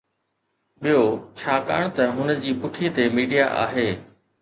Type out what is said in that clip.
ٻيو، ڇاڪاڻ ته هن جي پٺي تي ميڊيا آهي.